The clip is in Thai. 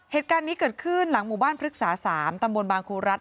เหตุการณ์นี้เกิดขึ้นหลังหมู่บ้านพฤกษา๓ตำบลบางครูรัฐ